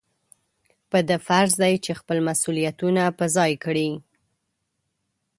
په ده فرض دی چې خپل مسؤلیتونه په ځای کړي.